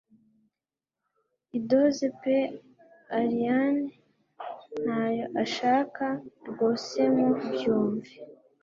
I doze pe Allayne ntayo ashaka rwosemu byumve